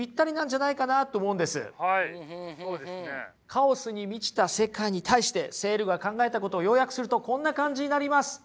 カオスに満ちた世界に対してセールが考えたことを要約するとこんな感じになります。